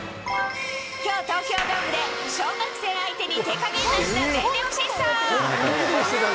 きょう東京ドームで、小学生相手に手加減なしの全力疾走。